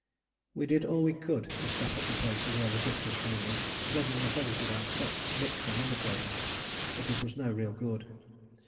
We did all we could to stop up the places where the drift was coming in, plugging the holes with our socks, mitts and other clothing. But it was no real good.